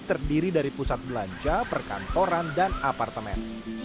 terdiri dari pusat belanja perkantoran dan apartemen